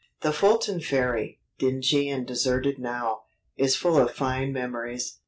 The Fulton Ferry dingy and deserted now is full of fine memories.